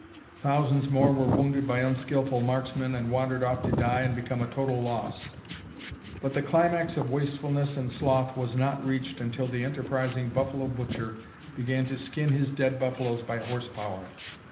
Thousands more were wounded by unskillful marksmen and wandered off to die and become a total loss. But the climax of wastefulness and sloth was not reached until the enterprising buffalo butcher began to skin his dead buffaloes by horse power.